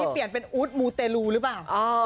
เปลี่ยนเป็นอู๊ดมูเตรลูหรือเปล่า